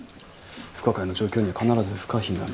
不可解な状況には必ず不可避な理由がある。